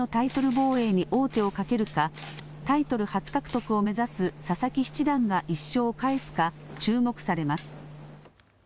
防衛に王手をかけるかタイトル初獲得を目指す佐々木七段が１勝を返すか注目されます。